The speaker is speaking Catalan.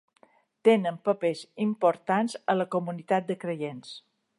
Tenen papers importants a la comunitat de creients.